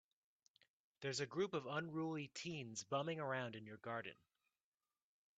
There's a group of unruly teens bumming around in your garden.